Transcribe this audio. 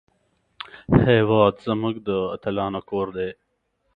هېواد زموږ د اتلانو کور دی